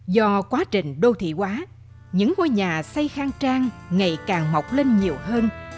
do quá trình đô thị quá những ngôi nhà xây khang trang ngày càng mọc lên nhiều hơn